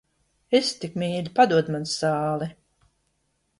Esi tik mīļa, padod man sāli.